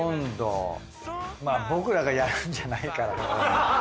まあ僕らがやるんじゃないから。